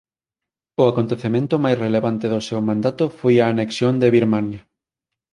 O acontecemento máis relevante do seu mandato foi a anexión de Birmania.